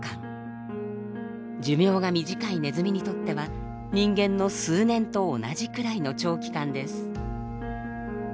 寿命が短いネズミにとっては人間の数年と同じくらいの長期間です。